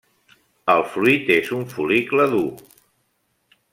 El fruit és un fol·licle dur.